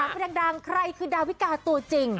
เพลงดังใครคือดาวิกาตัวจริง